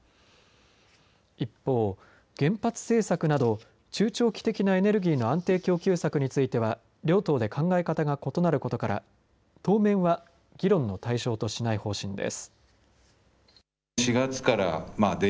一方、原発政策など中長期的なエネルギーの安定供給策については両党で考え方が異なることから当面は議論の対象としない方針です。